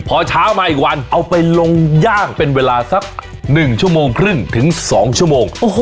พอเช้ามาอีกวันเอาไปลงย่างเป็นเวลาสัก๑ชั่วโมงครึ่งถึง๒ชั่วโมง